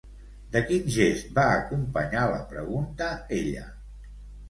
De quin gest va acompanyar la pregunta, ella?